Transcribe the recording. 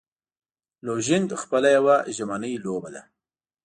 لوژینګ خپله یوه ژمنی لوبه ده.